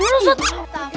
kodok lainnya ustadz